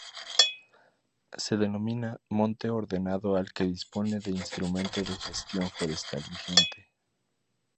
Se denomina monte ordenado al que dispone de instrumento de gestión forestal vigente.